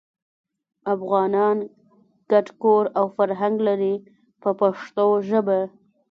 افغانان ګډ کور او فرهنګ لري په پښتو ژبه.